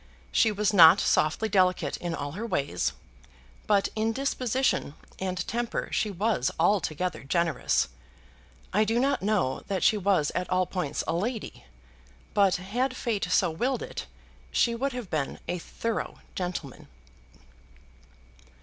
She was not softly delicate in all her ways; but in disposition and temper she was altogether generous. I do not know that she was at all points a lady, but had Fate so willed it she would have been a thorough gentleman.